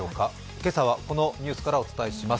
今朝はこのニュースからお伝えします。